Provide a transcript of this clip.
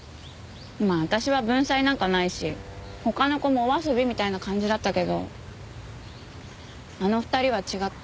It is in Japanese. まあ私は文才なんかないし他の子もお遊びみたいな感じだったけどあの２人は違った。